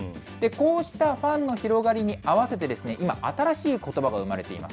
こうしたファンの広がりに合わせて今、新しいことばが生まれています。